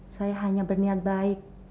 saya hanya berniat baik